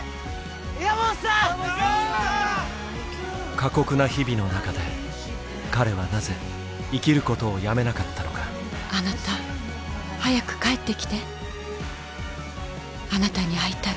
過酷な日々の中で彼はなぜ生きることをやめなかったのかあなた早く帰ってきてあなたに会いたい